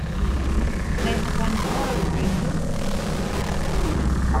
They have one child, Rachel.